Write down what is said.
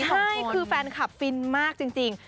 ใช่คือแฟนคลับฟินมากจริง